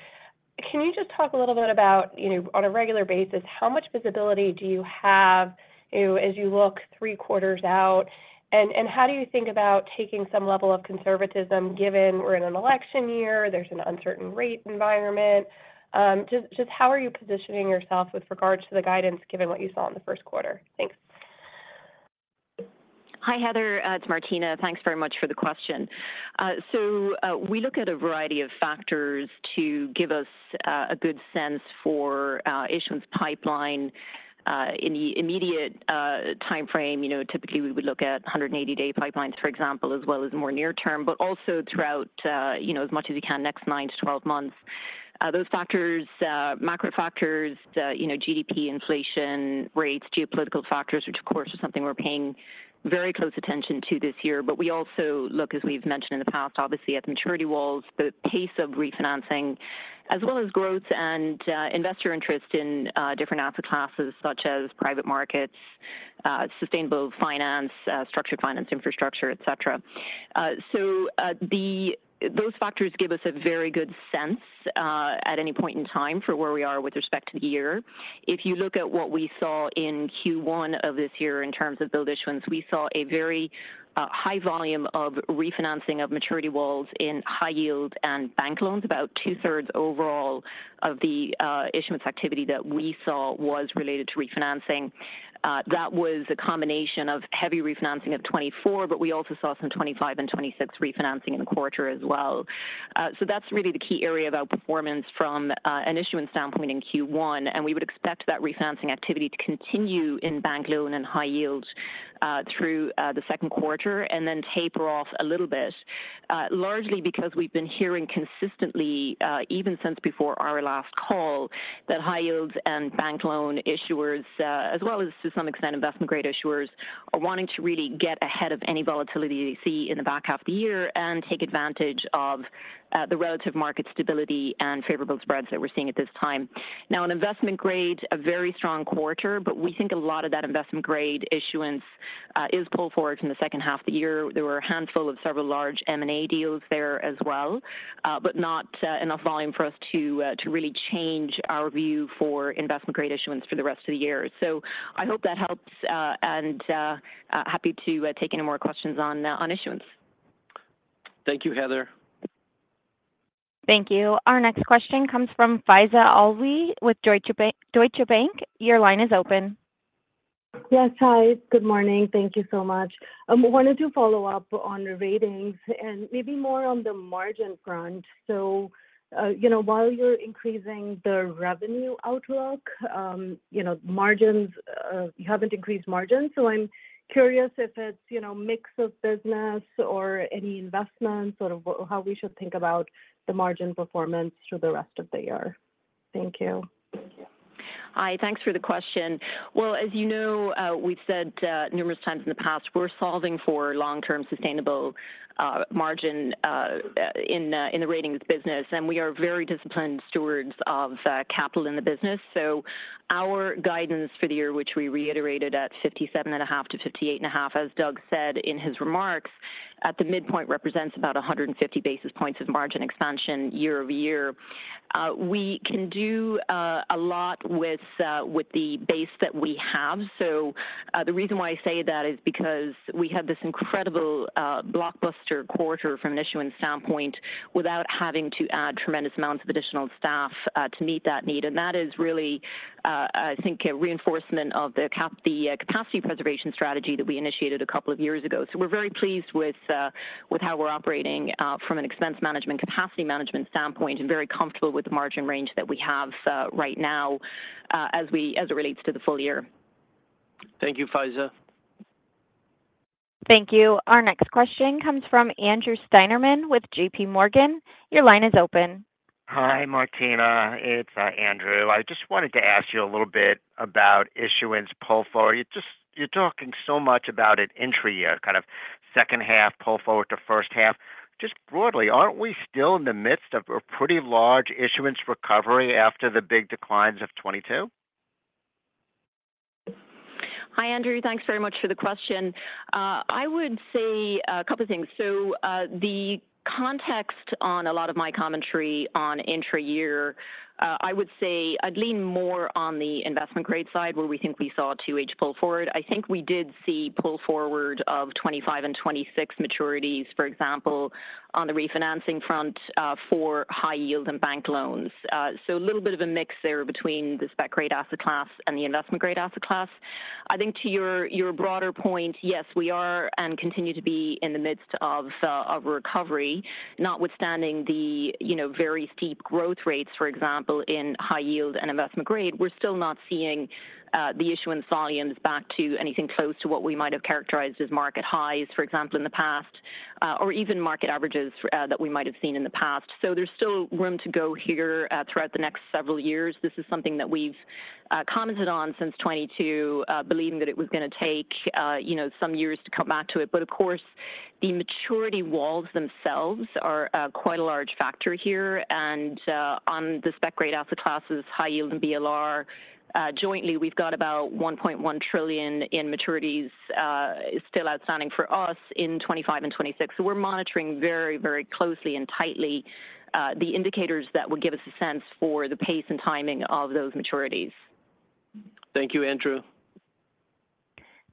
Can you just talk a little bit about, you know, on a regular basis, how much visibility do you have as you look three quarters out, and how do you think about taking some level of conservatism, given we're in an election year, there's an uncertain rate environment? Just how are you positioning yourself with regards to the guidance, given what you saw in the first quarter? Thanks. Hi, Heather. It's Martina. Thanks very much for the question. So, we look at a variety of factors to give us a good sense for issuance pipeline in the immediate time frame. You know, typically, we would look at 180-day pipelines, for example, as well as more near term, but also throughout, you know, as much as we can, next 9-12 months. Those factors, macro factors, you know, GDP, inflation, rates, geopolitical factors, which of course, is something we're paying very close attention to this year. But we also look, as we've mentioned on-... in the past, obviously, as maturity walls, the pace of refinancing, as well as growth and investor interest in different asset classes, such as private markets, sustainable finance, structured finance, infrastructure, et cetera. So those factors give us a very good sense at any point in time for where we are with respect to the year. If you look at what we saw in Q1 of this year in terms of those issuance, we saw a very high volume of refinancing of maturity walls in high yield and bank loans. About 2/3 overall of the issuance activity that we saw was related to refinancing. That was a combination of heavy refinancing of 2024, but we also saw some 2025 and 2026 refinancing in the quarter as well. So that's really the key area of outperformance from an issuance standpoint in Q1, and we would expect that refinancing activity to continue in bank loan and high-yield through the second quarter, and then taper off a little bit largely because we've been hearing consistently even since before our last call, that high-yield and bank loan issuers as well as to some extent, Investment-Grade issuers, are wanting to really get ahead of any volatility they see in the back half of the year, and take advantage of the relative market stability and favorable spreads that we're seeing at this time. Now, in Investment Grade, a very strong quarter, but we think a lot of that Investment Grade issuance is pulled forward from the second half of the year. There were a handful of several large M&A deals there as well, but not enough volume for us to really change our view for Investment-Grade issuance for the rest of the year. So I hope that helps, and happy to take any more questions on issuance. Thank you, Heather. Thank you. Our next question comes from Faiza Alwy with Deutsche Bank. Deutsche Bank, your line is open. Yes. Hi, good morning. Thank you so much. Wanted to follow up on Ratings and maybe more on the margin front. So, you know, while you're increasing the revenue outlook, you know, margins, you haven't increased margins, so I'm curious if it's, you know, mix of business or any investments or how we should think about the margin performance through the rest of the year. Thank you. Hi. Thanks for the question. Well, as you know, we've said numerous times in the past, we're solving for long-term sustainable margin in the Ratings business, and we are very disciplined stewards of capital in the business. So our guidance for the year, which we reiterated at 57.5%-58.5%, as Doug said in his remarks, at the midpoint, represents about 150 basis points of margin expansion year-over-year. We can do a lot with the base that we have. So, the reason why I say that is because we had this incredible blockbuster quarter from an issuance standpoint, without having to add tremendous amounts of additional staff to meet that need. That is really, I think, a reinforcement of the capacity preservation strategy that we initiated a couple of years ago. So we're very pleased with how we're operating from an expense management, capacity management standpoint, and very comfortable with the margin range that we have right now as it relates to the full year. Thank you, Faiza. Thank you. Our next question comes from Andrew Steinerman with J.P. Morgan. Your line is open. Hi, Martina. It's Andrew. I just wanted to ask you a little bit about issuance pull forward. You're just talking so much about an intra-year, kind of second half pull forward to first half. Just broadly, aren't we still in the midst of a pretty large issuance recovery after the big declines of 2022? Hi, Andrew. Thanks very much for the question. I would say a couple of things. So, the context on a lot of my commentary on intra-year, I would say I'd lean more on the investment-grade side, where we think we saw two-year pull forward. I think we did see pull forward of 25 and 26 maturities, for example, on the refinancing front, for high yield and bank loans. So a little bit of a mix there between the spec-grade asset class and the investment-grade asset class. I think to your, your broader point, yes, we are and continue to be in the midst of, a recovery, notwithstanding the, you know, very steep growth rates, for example, in high yield and investment-grade. We're still not seeing the issuance volumes back to anything close to what we might have characterized as market highs, for example, in the past, or even market averages that we might have seen in the past. So there's still room to go here throughout the next several years. This is something that we've commented on since 2022, believing that it was gonna take you know some years to come back to it. But of course, the maturity walls themselves are quite a large factor here, and on the spec grade asset classes, high yield and BLR, jointly, we've got about $1.1 trillion in maturities still outstanding for us in 2025 and 2026. So we're monitoring very, very closely and tightly, the indicators that would give us a sense for the pace and timing of those maturities. Thank you, Andrew.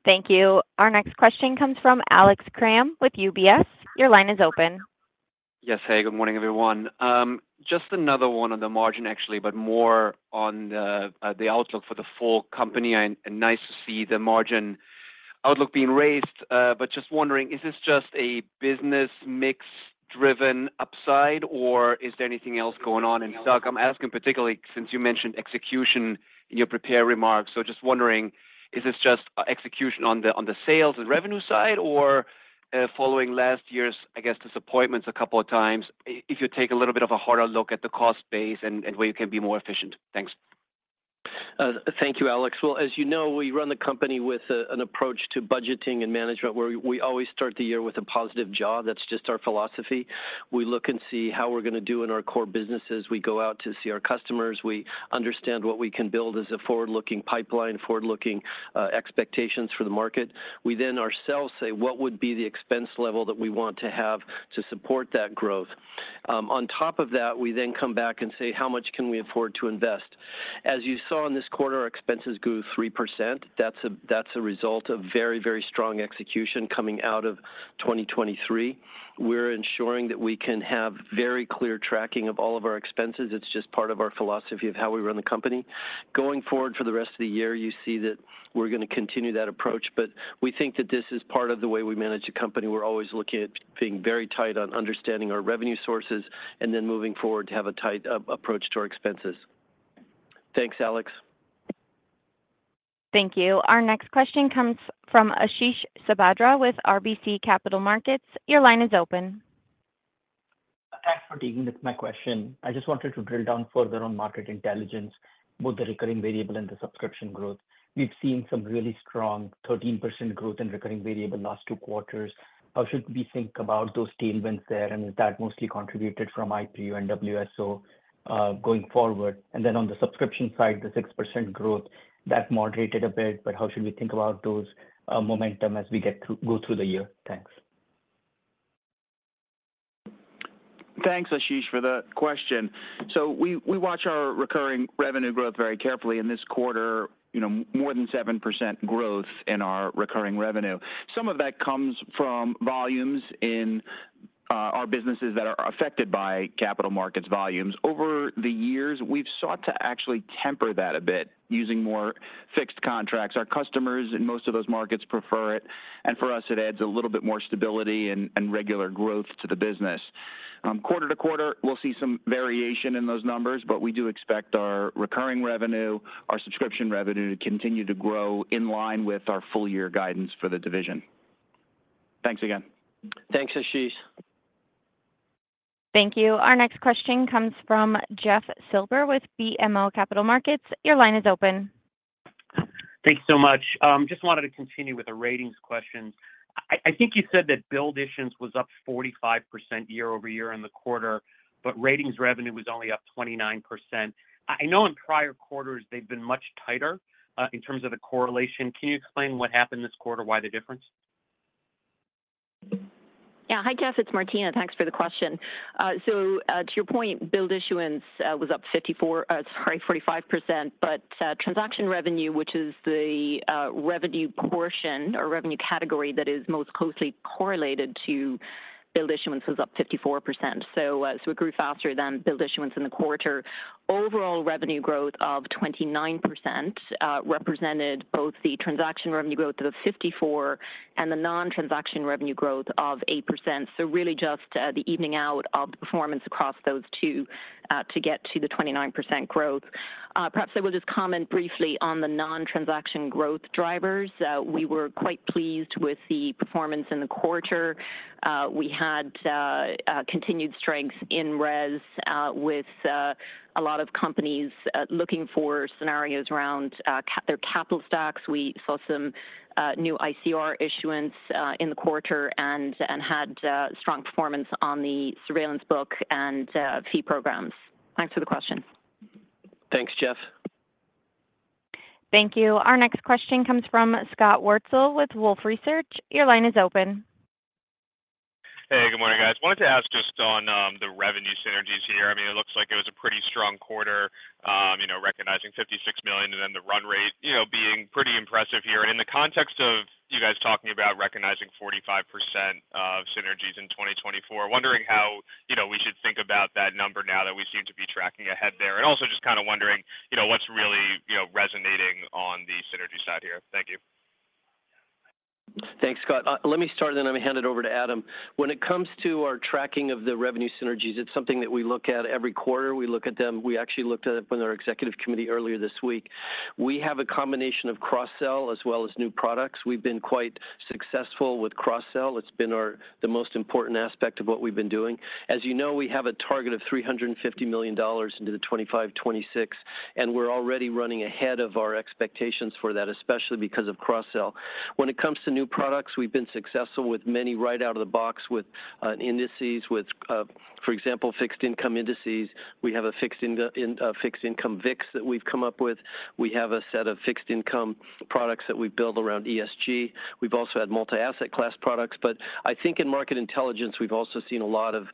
Thank you. Our next question comes from Alex Kramm with UBS. Your line is open. Yes. Hey, good morning, everyone. Just another one on the margin, actually, but more on the outlook for the full company, and nice to see the margin outlook being raised. But just wondering, is this just a business mix-driven upside, or is there anything else going on? And, Doug, I'm asking particularly since you mentioned execution in your prepared remarks. So just wondering, is this just execution on the sales and revenue side, or following last year's, I guess, disappointments a couple of times, if you take a little bit of a harder look at the cost base and where you can be more efficient? Thanks. ... Thank you, Alex. Well, as you know, we run the company with an approach to budgeting and management, where we always start the year with a positive jaw. That's just our philosophy. We look and see how we're going to do in our core businesses. We go out to see our customers. We understand what we can build as a forward-looking pipeline, forward-looking expectations for the market. We then ourselves say, "What would be the expense level that we want to have to support that growth?" On top of that, we then come back and say: How much can we afford to invest? As you saw in this quarter, our expenses grew 3%. That's a result of very, very strong execution coming out of 2023. We're ensuring that we can have very clear tracking of all of our expenses. It's just part of our philosophy of how we run the company. Going forward for the rest of the year, you see that we're going to continue that approach, but we think that this is part of the way we manage the company. We're always looking at being very tight on understanding our revenue sources, and then moving forward to have a tight approach to our expenses. Thanks, Alex. Thank you. Our next question comes from Ashish Sabadra with RBC Capital Markets. Your line is open. Thanks for taking my question. I just wanted to drill down further on Market Intelligence, both the recurring variable and the subscription growth. We've seen some really strong 13% growth in recurring variable last two quarters. How should we think about those tailwinds there, and is that mostly contributed from IPO and WSO going forward? And then on the subscription side, the 6% growth, that moderated a bit, but how should we think about those momentum as we get to go through the year? Thanks. Thanks, Ashish, for the question. So we watch our recurring revenue growth very carefully. In this quarter, you know, more than 7% growth in our recurring revenue. Some of that comes from volumes in our businesses that are affected by capital markets volumes. Over the years, we've sought to actually temper that a bit, using more fixed contracts. Our customers in most of those markets prefer it, and for us, it adds a little bit more stability and regular growth to the business. Quarter to quarter, we'll see some variation in those numbers, but we do expect our recurring revenue, our subscription revenue, to continue to grow in line with our full year guidance for the division. Thanks again. Thanks, Ashish. Thank you. Our next question comes from Jeff Silber with BMO Capital Markets. Your line is open. Thanks so much. Just wanted to continue with the Ratings question. I think you said that billed issuance was up 45% year-over-year in the quarter, but Ratings revenue was only up 29%. I know in prior quarters, they've been much tighter in terms of the correlation. Can you explain what happened this quarter, why the difference? Yeah. Hi, Jeff, it's Martina. Thanks for the question. So, to your point, billed issuance was up 54, sorry, 45%, but transaction revenue, which is the revenue portion or revenue category that is most closely correlated to billed issuance, was up 54%. So, so it grew faster than billed issuance in the quarter. Overall, revenue growth of 29% represented both the transaction revenue growth of 54 and the non-transaction revenue growth of 8%. So really just the evening out of the performance across those two to get to the 29% growth. Perhaps I will just comment briefly on the non-transaction growth drivers. We were quite pleased with the performance in the quarter. We had continued strength in RES with a lot of companies looking for scenarios around their capital stacks. We saw some new ICR issuance in the quarter and had strong performance on the surveillance book and fee programs. Thanks for the question. Thanks, Jeff. Thank you. Our next question comes from Scott Wurtzel with Wolfe Research. Your line is open. Hey, good morning, guys. Wanted to ask just on the revenue synergies here. I mean, it looks like it was a pretty strong quarter, you know, recognizing $56 million, and then the run rate, you know, being pretty impressive here. In the context of you guys talking about recognizing 45% of synergies in 2024, wondering how, you know, we should think about that number now that we seem to be tracking ahead there. And also just kind of wondering, you know, what's really, you know, resonating on the synergy side here. Thank you. Thanks, Scott. Let me start, and then I'm going to hand it over to Adam. When it comes to our tracking of the revenue synergies, it's something that we look at every quarter. We look at them. We actually looked at it with our executive committee earlier this week. We have a combination of cross-sell as well as new products. We've been quite successful with cross-sell. It's been our the most important aspect of what we've been doing. As you know, we have a target of $350 million into the 2025, 2026, and we're already running ahead of our expectations for that, especially because of cross-sell. When it comes to new products, we've been successful with many right out of the box, with Indices, with, for example, fixed income Indices. We have a fixed income VIX that we've come up with. We have a set of fixed income products that we build around ESG. We've also had multi-asset class products, but I think in Market Intelligence, we've also seen a lot of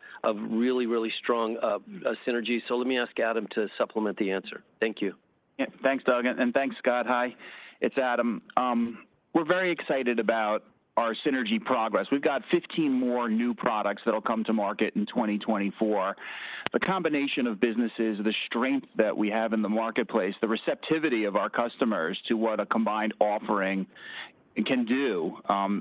really strong synergies. So let me ask Adam to supplement the answer. Thank you. Yeah. Thanks, Doug, and thanks, Scott. Hi, it's Adam. We're very excited about our synergy progress. We've got 15 more new products that'll come to market in 2024. The combination of businesses, the strength that we have in the marketplace, the receptivity of our customers to what a combined offering can do,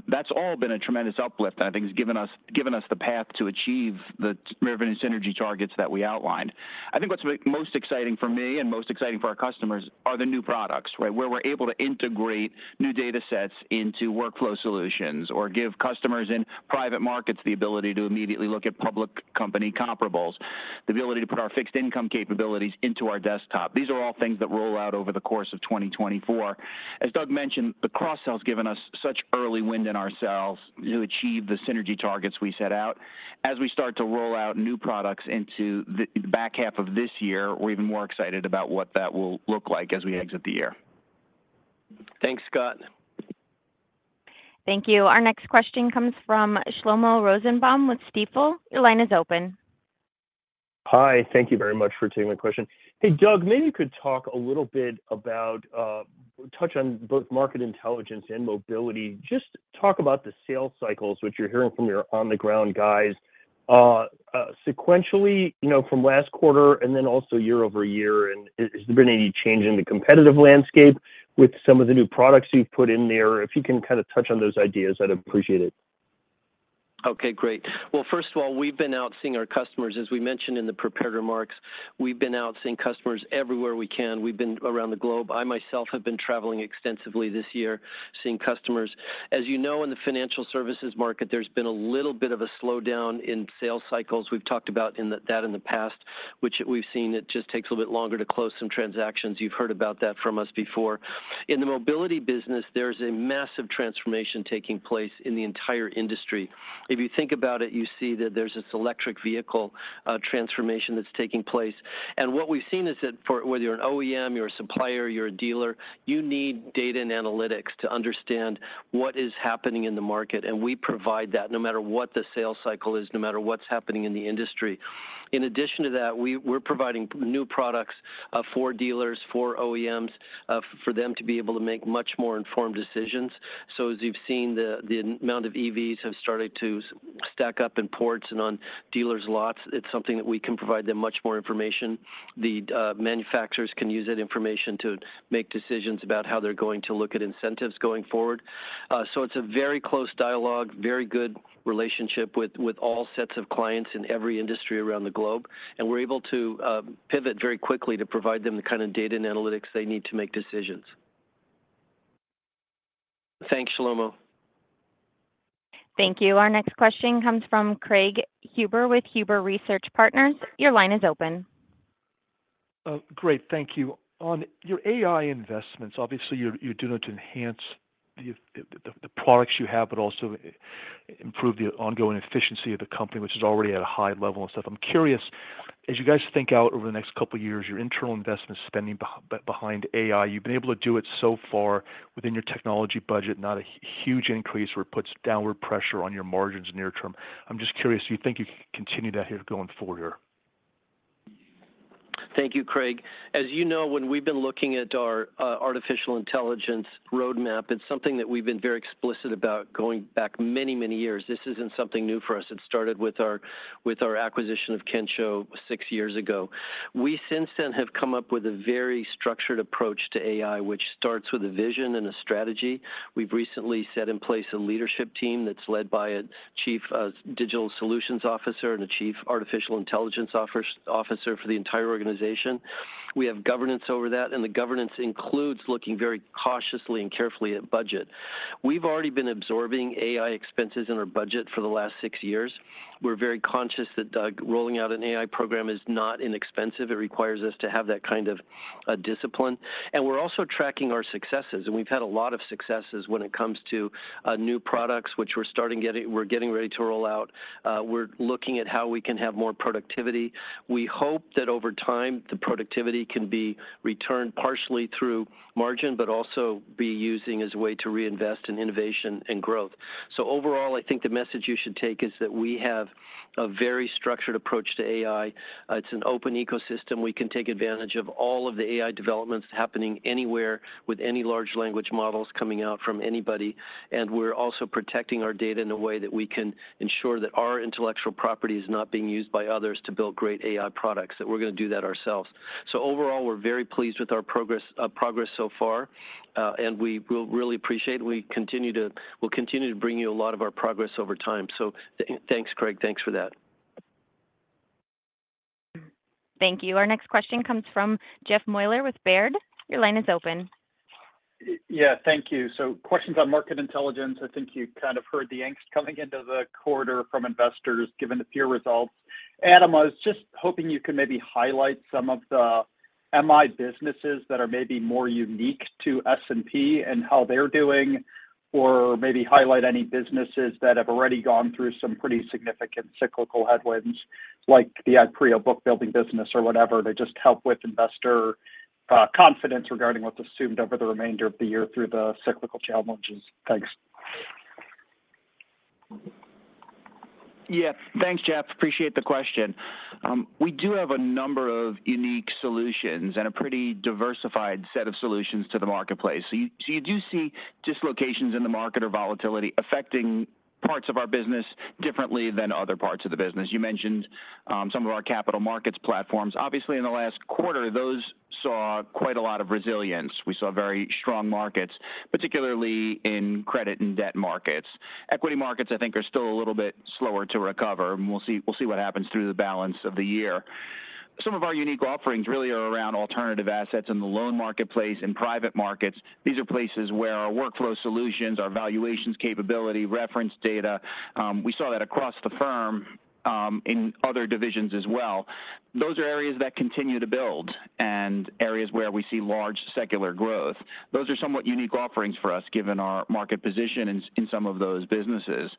that's all been a tremendous uplift, and I think it's given us, given us the path to achieve the revenue synergy targets that we outlined. I think what's most exciting for me and most exciting for our customers are the new products, right? Where we're able to integrate new datasets into workflow solutions or give customers in private markets the ability to immediately look at public company comparables, the ability to put our fixed income capabilities into our desktop. These are all things that roll out over the course of 2024. As Doug mentioned, the cross-sell has given us such early wind in our sails to achieve the synergy targets we set out.... as we start to roll out new products into the back half of this year, we're even more excited about what that will look like as we exit the year. Thanks, Scott. Thank you. Our next question comes from Shlomo Rosenbaum with Stifel. Your line is open. Hi, thank you very much for taking my question. Hey, Doug, maybe you could talk a little bit about, touch on both Market Intelligence and Mobility. Just talk about the sales cycles, which you're hearing from your on-the-ground guys, sequentially, you know, from last quarter and then also year over year, and has there been any change in the competitive landscape with some of the new products you've put in there? If you can kind of touch on those ideas, I'd appreciate it. Okay, great. Well, first of all, we've been out seeing our customers. As we mentioned in the prepared remarks, we've been out seeing customers everywhere we can. We've been around the globe. I myself have been traveling extensively this year, seeing customers. As you know, in the financial services market, there's been a little bit of a slowdown in sales cycles. We've talked about that in the past, which we've seen. It just takes a little bit longer to close some transactions. You've heard about that from us before. In the Mobility business, there's a massive transformation taking place in the entire industry. If you think about it, you see that there's this electric vehicle transformation that's taking place. What we've seen is that for whether you're an OEM, you're a supplier, you're a dealer, you need data and analytics to understand what is happening in the market, and we provide that no matter what the sales cycle is, no matter what's happening in the industry. In addition to that, we're providing new products for dealers, for OEMs, for them to be able to make much more informed decisions. So as you've seen, the amount of EVs have started to stack up in ports and on dealers' lots, it's something that we can provide them much more information. The manufacturers can use that information to make decisions about how they're going to look at incentives going forward. So it's a very close dialogue, very good relationship with all sets of clients in every industry around the globe, and we're able to pivot very quickly to provide them the kind of data and analytics they need to make decisions. Thanks, Shlomo. Thank you. Our next question comes from Craig Huber with Huber Research Partners. Your line is open. Great, thank you. On your AI investments, obviously, you're doing it to enhance the products you have, but also improve the ongoing efficiency of the company, which is already at a high level and stuff. I'm curious, as you guys think out over the next couple of years, your internal investment spending behind AI, you've been able to do it so far within your technology budget, not a huge increase where it puts downward pressure on your margins near term. I'm just curious, do you think you can continue that here going forward here? Thank you, Craig. As you know, when we've been looking at our artificial intelligence roadmap, it's something that we've been very explicit about going back many, many years. This isn't something new for us. It started with our acquisition of Kensho 6 years ago. We, since then, have come up with a very structured approach to AI, which starts with a vision and a strategy. We've recently set in place a leadership team that's led by a Chief Digital Solutions Officer and a Chief Artificial Intelligence Officer for the entire organization. We have governance over that, and the governance includes looking very cautiously and carefully at budget. We've already been absorbing AI expenses in our budget for the last 6 years. We're very conscious that rolling out an AI program is not inexpensive. It requires us to have that kind of discipline. And we're also tracking our successes, and we've had a lot of successes when it comes to new products, which we're getting ready to roll out. We're looking at how we can have more productivity. We hope that over time, the productivity can be returned partially through margin, but also be using as a way to reinvest in innovation and growth. So overall, I think the message you should take is that we have a very structured approach to AI. It's an open ecosystem. We can take advantage of all of the AI developments happening anywhere with any large language models coming out from anybody. And we're also protecting our data in a way that we can ensure that our intellectual property is not being used by others to build great AI products, that we're going to do that ourselves. So overall, we're very pleased with our progress so far, and we will really appreciate. We'll continue to bring you a lot of our progress over time. So thanks, Craig. Thanks for that. Thank you. Our next question comes from Jeff Meuler with Baird. Your line is open. Yeah, thank you. Questions on Market Intelligence. I think you kind of heard the angst coming into the quarter from investors, given the peer results. Adam, I was just hoping you could maybe highlight some of the MI businesses that are maybe more unique to S&P and how they're doing, or maybe highlight any businesses that have already gone through some pretty significant cyclical headwinds, like the Ipreo book building business or whatever, to just help with investor confidence regarding what's assumed over the remainder of the year through the cyclical challenges. Thanks. Yeah. Thanks, Jeff. Appreciate the question. We do have a number of unique solutions and a pretty diversified set of solutions to the marketplace. So you, so you do see dislocations in the market or volatility affecting parts of our business differently than other parts of the business. You mentioned, some of our capital markets platforms. Obviously, in the last quarter, those saw quite a lot of resilience. We saw very strong markets, particularly in credit and debt markets. Equity markets, I think, are still a little bit slower to recover, and we'll see, we'll see what happens through the balance of the year. Some of our unique offerings really are around alternative assets in the loan marketplace and private markets. These are places where our workflow solutions, our valuations capability, reference data, we saw that across the firm, in other divisions as well. Those are areas that continue to build and areas where we see large secular growth. Those are somewhat unique offerings for us, given our market position in some of those businesses. ...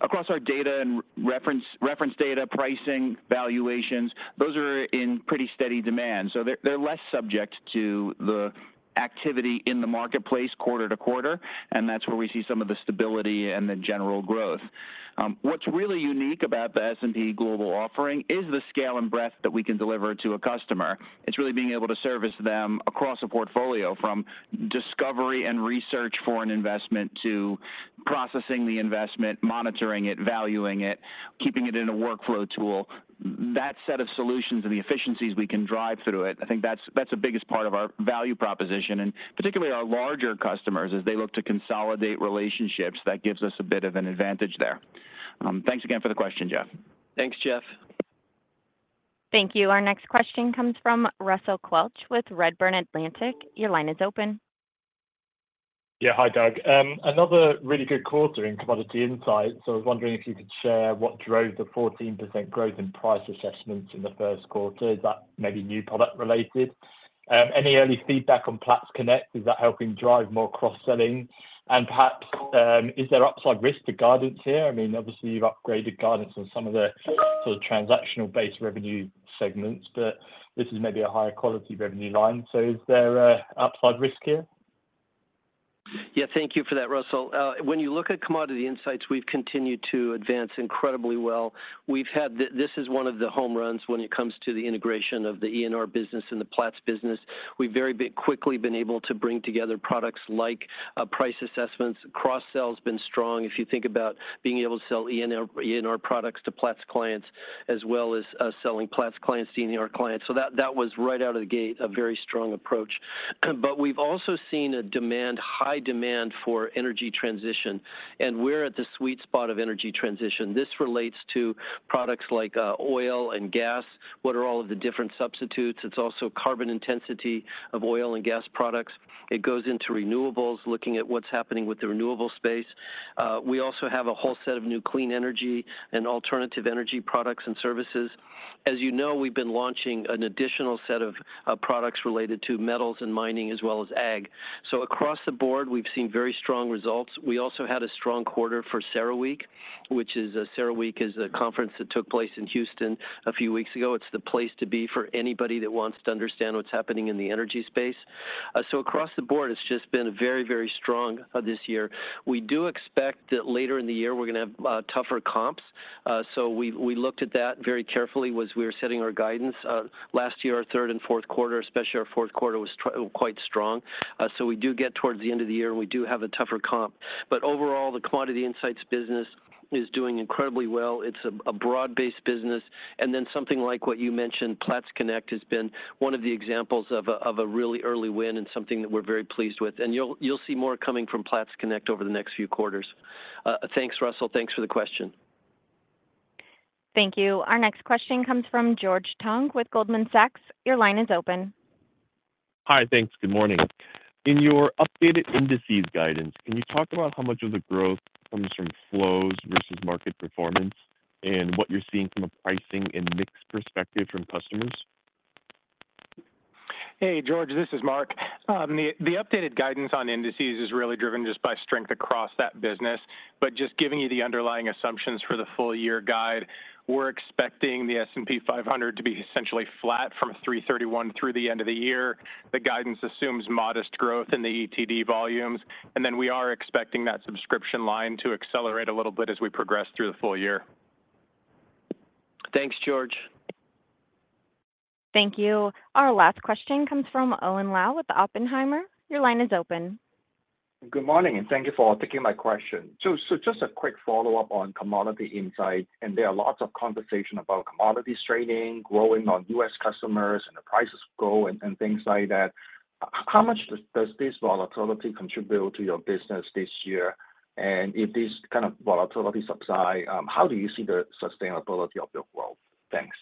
across our data and reference data, pricing, valuations, those are in pretty steady demand, so they're less subject to the activity in the marketplace quarter to quarter, and that's where we see some of the stability and the general growth. What's really unique about the S&P Global offering is the scale and breadth that we can deliver to a customer. It's really being able to service them across a portfolio, from discovery and research for an investment to processing the investment, monitoring it, valuing it, keeping it in a workflow tool. That set of solutions and the efficiencies we can drive through it, I think that's the biggest part of our value proposition, and particularly our larger customers, as they look to consolidate relationships, that gives us a bit of an advantage there. Thanks again for the question, Jeff. Thanks, Jeff. Thank you. Our next question comes from Russell Quelch with Redburn Atlantic. Your line is open. Yeah, hi, Doug. Another really good quarter in Commodity Insights, so I was wondering if you could share what drove the 14% growth in price assessments in the first quarter. Is that maybe new product related? Any early feedback on Platts Connect, is that helping drive more cross-selling? And perhaps, is there upside risk to guidance here? I mean, obviously, you've upgraded guidance on some of the sort of transactional-based revenue segments, but this is maybe a higher quality revenue line, so is there a upside risk here? Yeah, thank you for that, Russell. When you look at Commodity Insights, we've continued to advance incredibly well. We've had. This is one of the home runs when it comes to the integration of the ENR business and the Platts business. We've very quickly been able to bring together products like, price assessments. Cross-sell has been strong, if you think about being able to sell ENR, ENR products to Platts clients, as well as, selling Platts clients to ENR clients. So that, that was right out of the gate, a very strong approach. But we've also seen a demand, high demand for energy transition, and we're at the sweet spot of energy transition. This relates to products like, oil and gas. What are all of the different substitutes? It's also carbon intensity of oil and gas products. It goes into renewables, looking at what's happening with the renewable space. We also have a whole set of new clean energy and alternative energy products and services. As you know, we've been launching an additional set of products related to metals and mining, as well as ag. So across the board, we've seen very strong results. We also had a strong quarter for CERAWeek. CERAWeek is a conference that took place in Houston a few weeks ago. It's the place to be for anybody that wants to understand what's happening in the energy space. So across the board, it's just been very, very strong this year. We do expect that later in the year we're gonna have tougher comps. So we looked at that very carefully as we were setting our guidance. Last year, our third and fourth quarter, especially our fourth quarter, was quite strong. So we do get towards the end of the year, and we do have a tougher comp, but overall, the Commodity Insights business is doing incredibly well. It's a broad-based business, and then something like what you mentioned, Platts Connect, has been one of the examples of a really early win and something that we're very pleased with. And you'll see more coming from Platts Connect over the next few quarters. Thanks, Russell. Thanks for the question. Thank you. Our next question comes from George Tong with Goldman Sachs. Your line is open. Hi. Thanks. Good morning. In your updated Indices guidance, can you talk about how much of the growth comes from flows versus market performance and what you're seeing from a pricing and mix perspective from customers? Hey, George, this is Mark. The updated guidance on Indices is really driven just by strength across that business, but just giving you the underlying assumptions for the full year guide, we're expecting the S&P 500 to be essentially flat from 3/31 through the end of the year. The guidance assumes modest growth in the ETD volumes, and then we are expecting that subscription line to accelerate a little bit as we progress through the full year. Thanks, George. Thank you. Our last question comes from Owen Lau with Oppenheimer. Your line is open. Good morning, and thank you for taking my question. So, just a quick follow-up on Commodity Insights, and there are lots of conversation about commodity trading, growing on U.S. customers, and the prices grow and, and things like that. How much does this volatility contribute to your business this year? And if this kind of volatility subside, how do you see the sustainability of your growth? Thanks.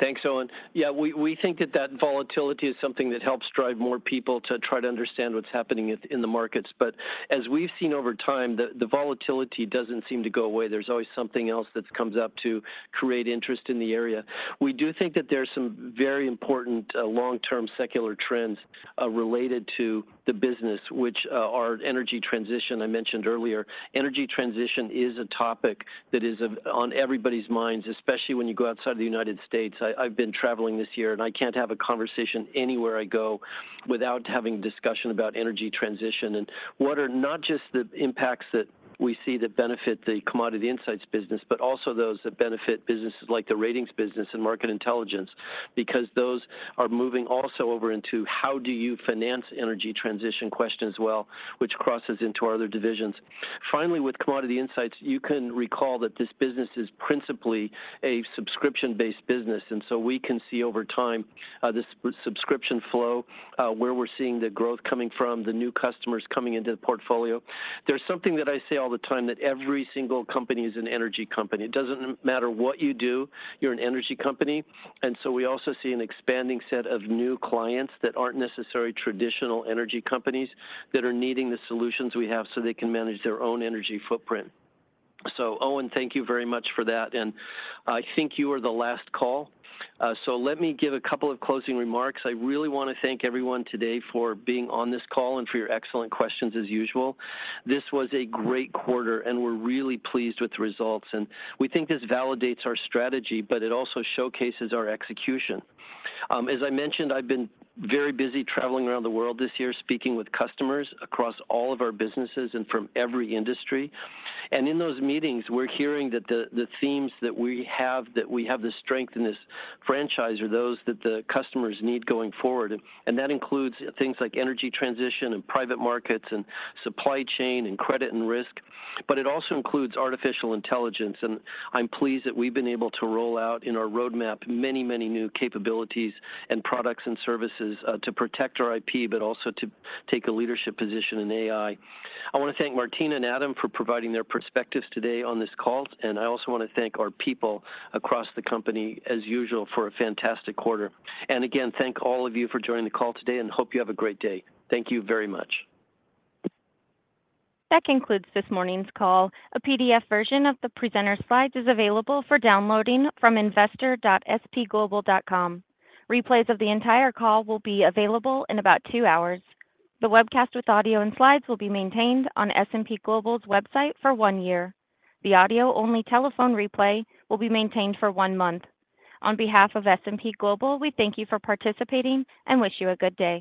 Thanks, Owen. Yeah, we think that volatility is something that helps drive more people to try to understand what's happening in the markets. But as we've seen over time, the volatility doesn't seem to go away. There's always something else that comes up to create interest in the area. We do think that there are some very important long-term secular trends related to the business, which are energy transition, I mentioned earlier. Energy transition is a topic that is on everybody's minds, especially when you go outside of the United States. I've been traveling this year, and I can't have a conversation anywhere I go without having a discussion about energy transition and what are not just the impacts that we see that benefit the Commodity Insights business, but also those that benefit businesses like the Ratings business and Market Intelligence, because those are moving also over into how do you finance energy transition question as well, which crosses into our other divisions. Finally, with Commodity Insights, you can recall that this business is principally a subscription-based business, and so we can see over time, this subscription flow, where we're seeing the growth coming from, the new customers coming into the portfolio. There's something that I say all the time, that every single company is an energy company. It doesn't matter what you do. You're an energy company, and so we also see an expanding set of new clients that aren't necessarily traditional energy companies, that are needing the solutions we have, so they can manage their own energy footprint. So Owen, thank you very much for that, and I think you are the last call, so let me give a couple of closing remarks. I really want to thank everyone today for being on this call and for your excellent questions, as usual. This was a great quarter, and we're really pleased with the results, and we think this validates our strategy, but it also showcases our execution. As I mentioned, I've been very busy traveling around the world this year, speaking with customers across all of our businesses and from every industry, and in those meetings, we're hearing that the themes that we have, that we have the strength in this franchise, are those that the customers need going forward, and that includes things like energy transition and private markets and supply chain and credit and risk, but it also includes artificial intelligence, and I'm pleased that we've been able to roll out in our roadmap many, many new capabilities and products and services, to protect our IP, but also to take a leadership position in AI. I want to thank Martina and Adam for providing their perspectives today on this call, and I also want to thank our people across the company, as usual, for a fantastic quarter. Again, thank all of you for joining the call today and hope you have a great day. Thank you very much. That concludes this morning's call. A PDF version of the presenter's slides is available for downloading from investor.spglobal.com. Replays of the entire call will be available in about two hours. The webcast with audio and slides will be maintained on S&P Global's website for one year. The audio-only telephone replay will be maintained for one month. On behalf of S&P Global, we thank you for participating and wish you a good day.